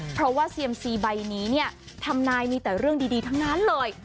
เพราะว่าเซียมซีใบนี้เนี่ยทำนายมีแต่เรื่องดีทั้งนั้นเลย